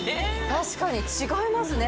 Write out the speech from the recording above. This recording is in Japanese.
確かに違いますね。